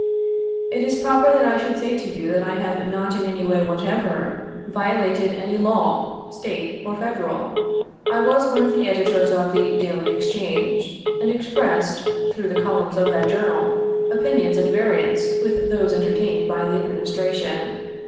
It is proper that I should say to you that I have not in any way whatever, violated any law, State or Federal. I was one of the editors of the Daily Exchange, and expressed through the columns of that journal, opinions at variance with those entertained by the Administration.